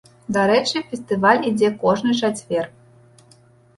Дарэчы, фестываль ідзе кожны чацвер.